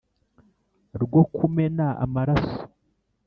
Rwo kumena amaraso